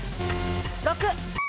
６。